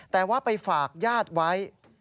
แต่ว่าไปฝากญาติไว้